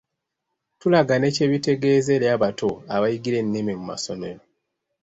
Tulaga ne kye bitegeeza eri abato abayigira ennimi mu masomero.